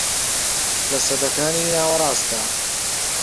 لە سەدەکانی ناوەڕاستدا